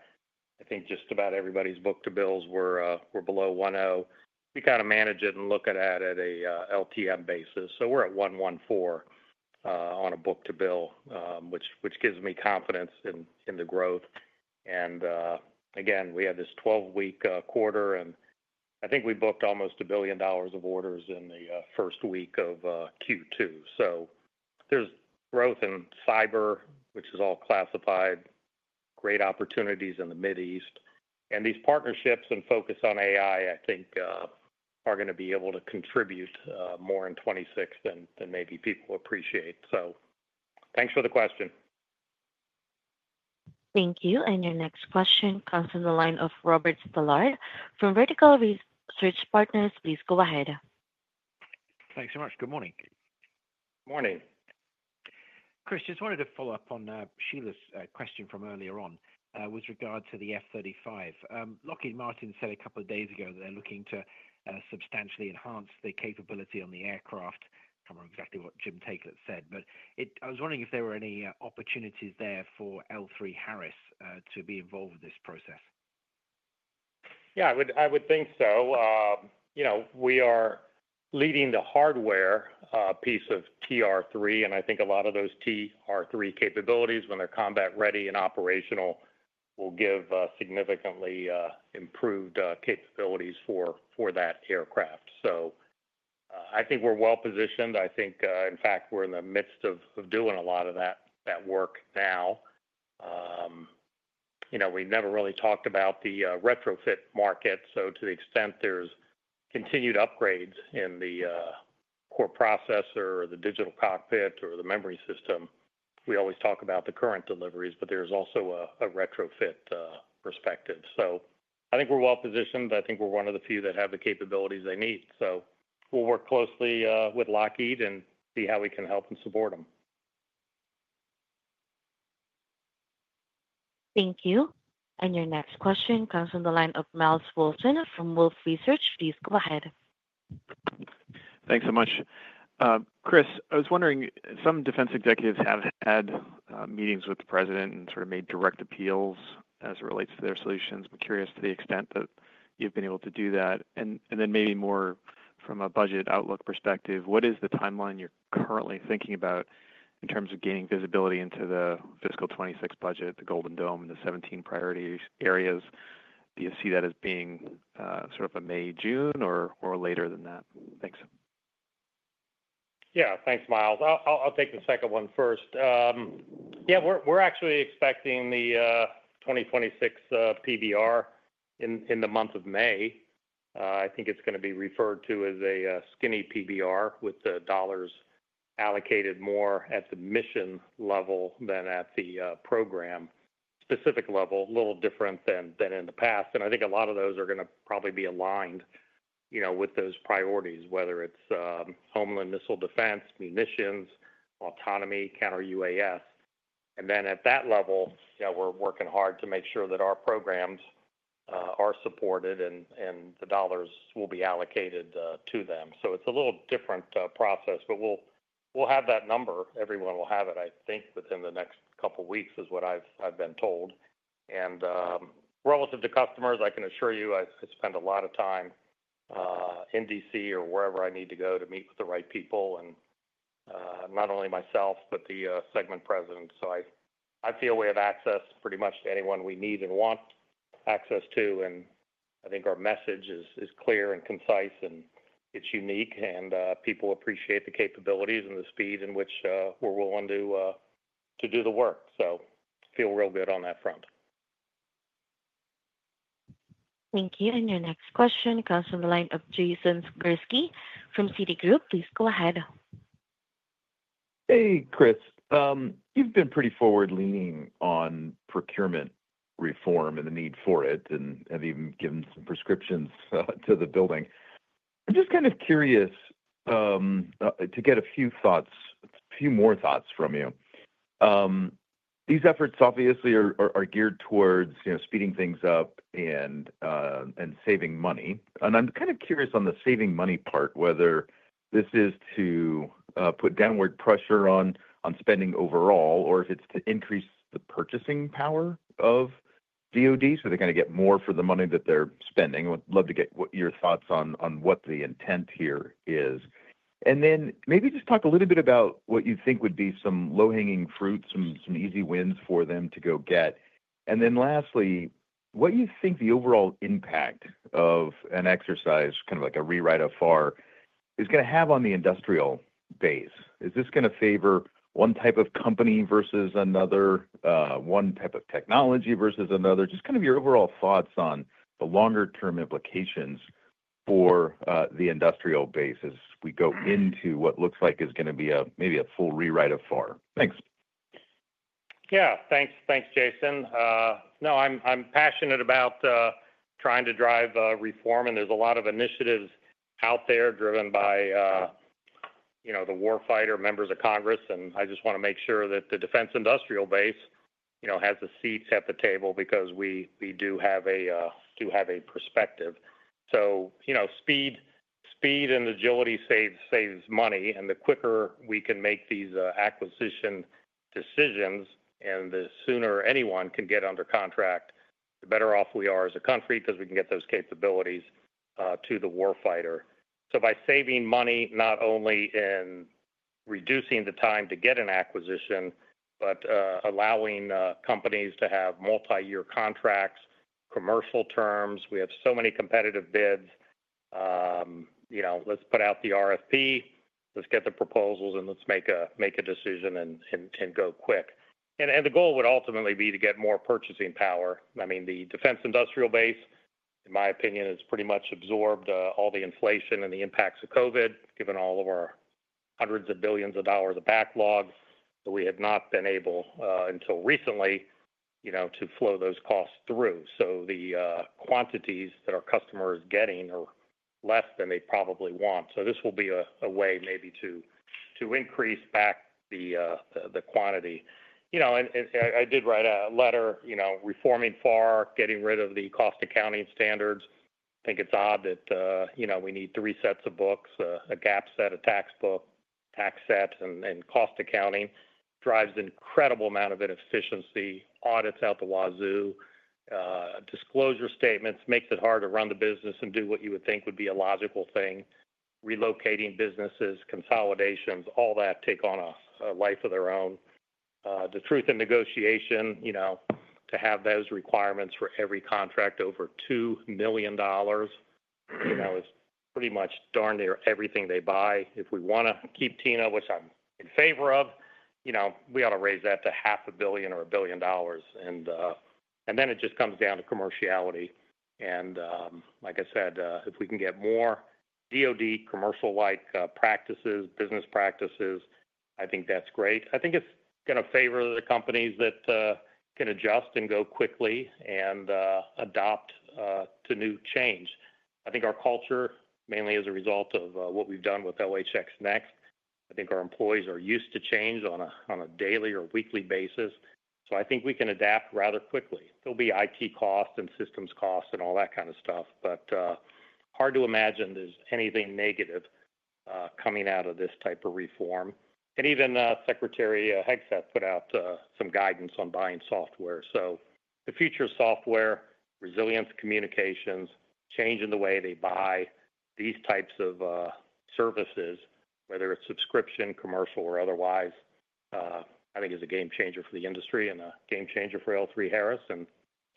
I think just about everybody's book to bills were below 1.0. We kind of manage it and look at it at a LTM basis. So we're at 1.14 on a book to bill, which gives me confidence in the growth. We had this 12-week quarter, and I think we booked almost $1 billion of orders in the first week of Q2. There is growth in cyber, which is all classified, great opportunities in the Middle East. These partnerships and focus on AI, I think, are going to be able to contribute more in 2026 than maybe people appreciate. Thanks for the question. Thank you. Your next question comes from the line of Robert Stallard from Vertical Research Partners. Please go ahead. Thanks so much. Good morning. Good morning. Chris, just wanted to follow up on Sheila's question from earlier on with regard to the F-35. Lockheed Martin said a couple of days ago that they're looking to substantially enhance the capability on the aircraft. I can't remember exactly what Jim Taker said, but I was wondering if there were any opportunities there for L3Harris to be involved with this process. Yeah, I would think so. We are leading the hardware piece of TR-3, and I think a lot of those TR-3 capabilities, when they're combat-ready and operational, will give significantly improved capabilities for that aircraft. I think we're well positioned. I think, in fact, we're in the midst of doing a lot of that work now. We never really talked about the retrofit market. To the extent there's continued upgrades in the core processor or the digital cockpit or the memory system, we always talk about the current deliveries, but there's also a retrofit perspective. I think we're well positioned. I think we're one of the few that have the capabilities they need. We'll work closely with Lockheed and see how we can help and support them. Thank you. Your next question comes from the line of Myles Walton from Wolfe Research. Please go ahead. Thanks so much. Chris, I was wondering, some defense executives have had meetings with the president and sort of made direct appeals as it relates to their solutions. I'm curious to the extent that you've been able to do that. Maybe more from a budget outlook perspective, what is the timeline you're currently thinking about in terms of gaining visibility into the fiscal 2026 budget, the Golden Dome, and the 17 priority areas? Do you see that as being sort of a May, June, or later than that? Thanks. Yeah. Thanks, Myles. I'll take the second one first. Yeah, we're actually expecting the 2026 PBR in the month of May. I think it's going to be referred to as a skinny PBR with the dollars allocated more at the mission level than at the program-specific level, a little different than in the past. I think a lot of those are going to probably be aligned with those priorities, whether it's homeland missile defense, munitions, autonomy, counter-UAS. At that level, we're working hard to make sure that our programs are supported and the dollars will be allocated to them. It's a little different process, but we'll have that number. Everyone will have it, I think, within the next couple of weeks, is what I've been told. Relative to customers, I can assure you I spend a lot of time in DC or wherever I need to go to meet with the right people, and not only myself, but the segment president. I feel we have access pretty much to anyone we need and want access to. I think our message is clear and concise, and it's unique. People appreciate the capabilities and the speed in which we're willing to do the work. I feel real good on that front. Thank you. Your next question comes from the line of Jason Gursky from Citigroup Global Markets. Please go ahead. Hey, Chris. You've been pretty forward-leaning on procurement reform and the need for it and have even given some prescriptions to the building. I'm just kind of curious to get a few thoughts, a few more thoughts from you. These efforts, obviously, are geared towards speeding things up and saving money. I'm kind of curious on the saving money part, whether this is to put downward pressure on spending overall or if it's to increase the purchasing power of DoD so they kind of get more for the money that they're spending. I would love to get your thoughts on what the intent here is. Then maybe just talk a little bit about what you think would be some low-hanging fruit, some easy wins for them to go get. Lastly, what you think the overall impact of an exercise, kind of like a rewrite of FAR, is going to have on the industrial base? Is this going to favor one type of company versus another, one type of technology versus another? Just kind of your overall thoughts on the longer-term implications for the industrial base as we go into what looks like is going to be maybe a full rewrite of FAR. Thanks. Yeah. Thanks, Jason. No, I'm passionate about trying to drive reform. There's a lot of initiatives out there driven by the war fighter, members of Congress. I just want to make sure that the defense industrial base has the seats at the table because we do have a perspective. Speed and agility saves money. The quicker we can make these acquisition decisions and the sooner anyone can get under contract, the better off we are as a country because we can get those capabilities to the war fighter. By saving money, not only in reducing the time to get an acquisition, but allowing companies to have multi-year contracts, commercial terms. We have so many competitive bids. Let's put out the RFP. Let's get the proposals and let's make a decision and go quick. The goal would ultimately be to get more purchasing power. I mean, the defense industrial base, in my opinion, has pretty much absorbed all the inflation and the impacts of COVID, given all of our hundreds of billions of dollars of backlog that we have not been able until recently to flow those costs through. The quantities that our customers are getting are less than they probably want. This will be a way maybe to increase back the quantity. I did write a letter reforming FAR, getting rid of the Cost Accounting Standards. I think it's odd that we need three sets of books, a GAAP set, a tax set, and cost accounting. It drives an incredible amount of inefficiency, audits out the wazoo, disclosure statements, makes it hard to run the business and do what you would think would be a logical thing. Relocating businesses, consolidations, all that takes on a life of their own. The Truth in Negotiation, to have those requirements for every contract over $2 million is pretty much darn near everything they buy. If we want to keep TINA, which I'm in favor of, we ought to raise that to $500 million or $1 billion. It just comes down to commerciality. Like I said, if we can get more DoD commercial-like practices, business practices, I think that's great. I think it's going to favor the companies that can adjust and go quickly and adopt to new change. I think our culture, mainly as a result of what we've done with LHX Next, I think our employees are used to change on a daily or weekly basis. I think we can adapt rather quickly. There'll be IT costs and systems costs and all that kind of stuff, but hard to imagine there's anything negative coming out of this type of reform. Even Secretary Hegseth put out some guidance on buying software. The future of software, resilient communications, change in the way they buy these types of services, whether it's subscription, commercial, or otherwise, I think is a game changer for the industry and a game changer for L3Harris and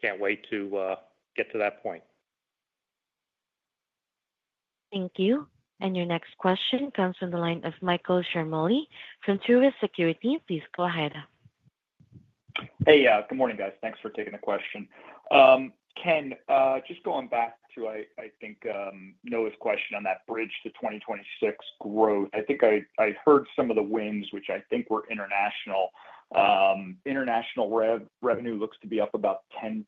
can't wait to get to that point. Thank you. Your next question comes from the line of Michael Roxland from Truist Securities. Please go ahead. Hey, good morning, guys. Thanks for taking the question. Ken, just going back to, I think, Noah's question on that bridge to 2026 growth. I think I heard some of the wins, which I think were international. International revenue looks to be up about 10%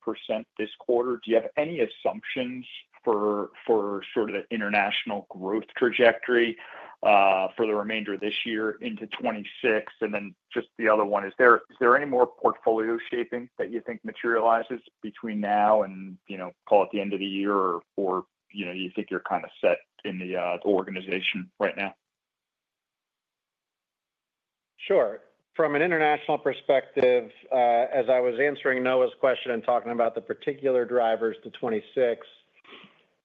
this quarter. Do you have any assumptions for sort of the international growth trajectory for the remainder of this year into 2026? And then just the other one, is there any more portfolio shaping that you think materializes between now and call it the end of the year, or do you think you're kind of set in the organization right now? Sure. From an international perspective, as I was answering Noah's question and talking about the particular drivers to 2026,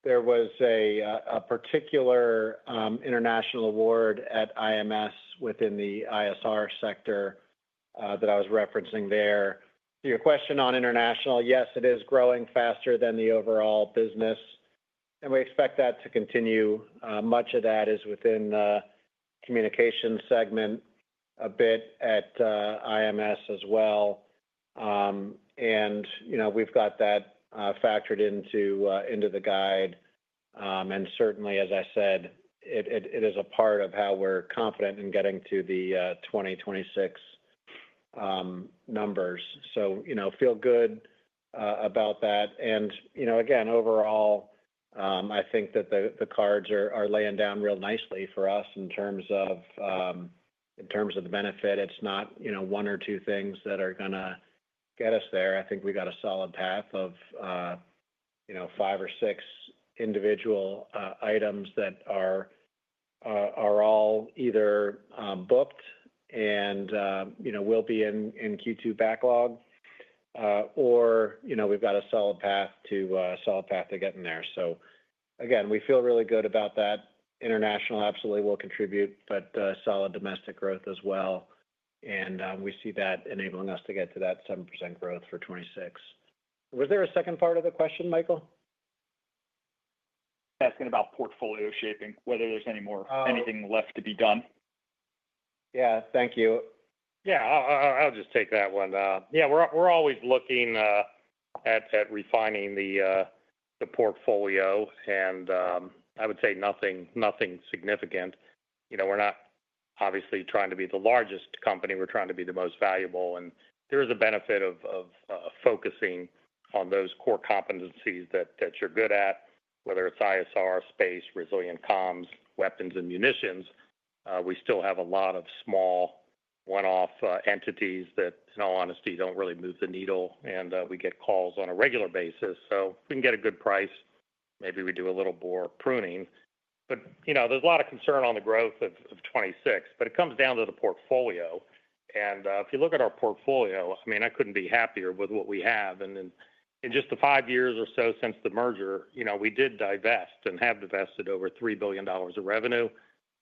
there was a particular international award at IMS within the ISR sector that I was referencing there. To your question on international, yes, it is growing faster than the overall business. We expect that to continue. Much of that is within the communication segment, a bit at IMS as well. We have that factored into the guide. Certainly, as I said, it is a part of how we are confident in getting to the 2026 numbers. I feel good about that. Overall, I think that the cards are laying down real nicely for us in terms of the benefit. It is not one or two things that are going to get us there. I think we've got a solid path of five or six individual items that are all either booked and will be in Q2 backlog, or we've got a solid path to get in there. We feel really good about that. International absolutely will contribute, but solid domestic growth as well. We see that enabling us to get to that 7% growth for 2026. Was there a second part of the question, Michael? Asking about portfolio shaping, whether there's anything left to be done. Yeah. Thank you. Yeah. I'll just take that one. Yeah. We're always looking at refining the portfolio, and I would say nothing significant. We're not obviously trying to be the largest company. We're trying to be the most valuable. There is a benefit of focusing on those core competencies that you're good at, whether it's ISR, space, resilient comms, weapons, and munitions. We still have a lot of small one-off entities that, in all honesty, don't really move the needle. We get calls on a regular basis. If we can get a good price, maybe we do a little more pruning. There is a lot of concern on the growth of 2026, but it comes down to the portfolio. If you look at our portfolio, I mean, I couldn't be happier with what we have. In just the five years or so since the merger, we did divest and have divested over $3 billion of revenue,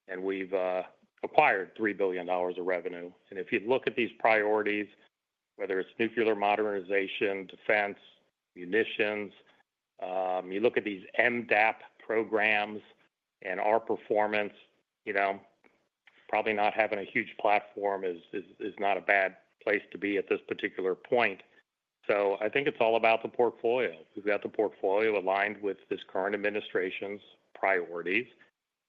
and we've acquired $3 billion of revenue. If you look at these priorities, whether it's nuclear modernization, defense, munitions, you look at these MDAP programs and our performance, probably not having a huge platform is not a bad place to be at this particular point. I think it's all about the portfolio. We've got the portfolio aligned with this current administration's priorities.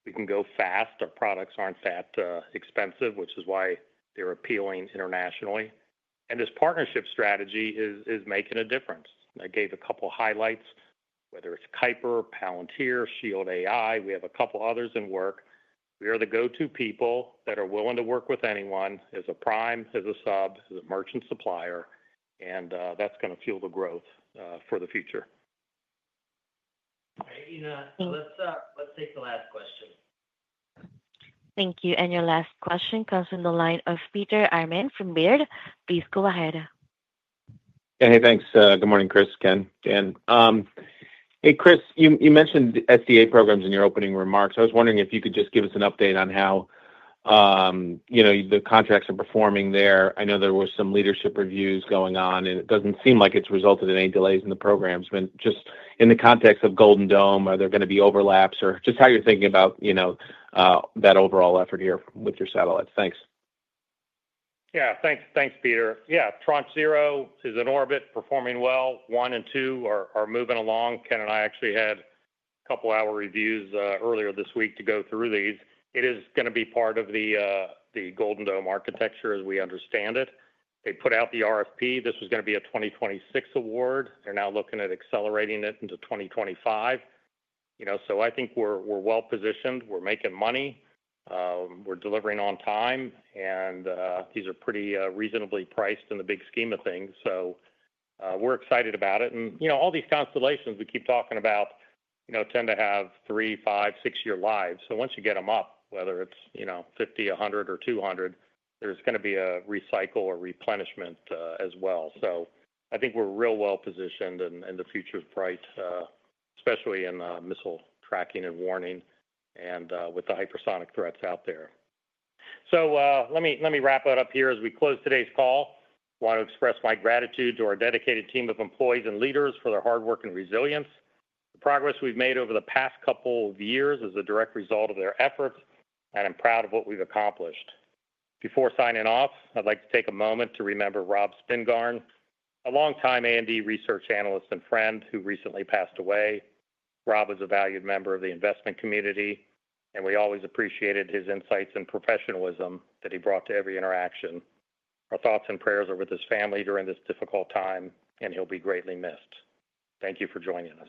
We can go fast. Our products aren't that expensive, which is why they're appealing internationally. This partnership strategy is making a difference. I gave a couple of highlights, whether it's Kuiper, Palantir, Shield AI. We have a couple of others in work. We are the go-to people that are willing to work with anyone as a prime, as a sub, as a merchant supplier. That is going to fuel the growth for the future. All right, Ina. Let's take the last question. Thank you. Your last question comes from the line of Peter Arment from Baird. Please go ahead. Hey, thanks. Good morning, Chris, Ken, Dan. Hey, Chris, you mentioned SDA programs in your opening remarks. I was wondering if you could just give us an update on how the contracts are performing there. I know there were some leadership reviews going on, and it doesn't seem like it's resulted in any delays in the programs. Just in the context of Golden Dome, are there going to be overlaps or just how you're thinking about that overall effort here with your satellites? Thanks. Yeah. Thanks, Peter. Yeah. Trunk Zero is in orbit, performing well. One and two are moving along. Ken and I actually had a couple of hour reviews earlier this week to go through these. It is going to be part of the Golden Dome architecture as we understand it. They put out the RFP. This was going to be a 2026 award. They're now looking at accelerating it into 2025. I think we're well positioned. We're making money. We're delivering on time. These are pretty reasonably priced in the big scheme of things. We're excited about it. All these constellations we keep talking about tend to have three, five, six-year lives. Once you get them up, whether it's 50, 100, or 200, there's going to be a recycle or replenishment as well. I think we're real well positioned and the future is bright, especially in missile tracking and warning and with the hypersonic threats out there. Let me wrap it up here as we close today's call. I want to express my gratitude to our dedicated team of employees and leaders for their hard work and resilience. The progress we've made over the past couple of years is a direct result of their efforts, and I'm proud of what we've accomplished. Before signing off, I'd like to take a moment to remember Rob Spingarn, a longtime A&D research analyst and friend who recently passed away. Rob is a valued member of the investment community, and we always appreciated his insights and professionalism that he brought to every interaction. Our thoughts and prayers are with his family during this difficult time, and he'll be greatly missed. Thank you for joining us.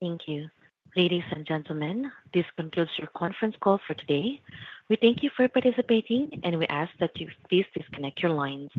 Thank you. Ladies and gentlemen, this concludes your conference call for today. We thank you for participating, and we ask that you please disconnect your lines.